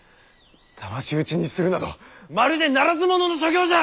だまし討ちにするなどまるでならず者の所業じゃ！